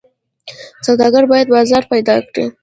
سوداګر باید بازار پیدا کړي.